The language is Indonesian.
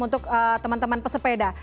untuk teman teman pesepeda